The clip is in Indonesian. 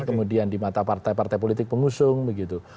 kemudian di mata partai partai politik pengusung begitu